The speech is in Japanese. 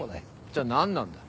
じゃあなんなんだ？